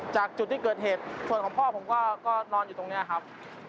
จากจุดที่เกิดเหตุส่วนของพ่อผมก็นอนอยู่ตรงนี้ครับ